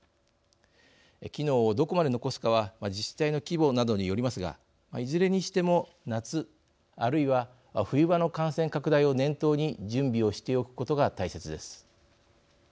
機能をどこまで残すかは自治体の規模などによりますがいずれにしても夏あるいは冬場の感染拡大を念頭に準備をしておくことが大切です。